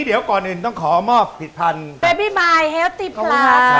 พี่พ่อนมอบผิดพันศาสน